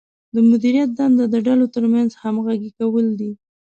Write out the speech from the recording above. د مدیریت دنده د ډلو ترمنځ همغږي کول دي.